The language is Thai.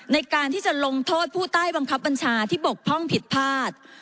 ในการที่จะลงโทษผู้ใต้บังคับบัญชาที่บกพร่องผิดพลาด